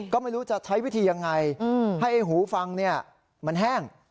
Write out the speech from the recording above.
ก็ไม่รู้จะใช้วิธียังไงให้หูฟังมันแห้ง